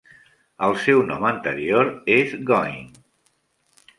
El seu nom anterior és Going.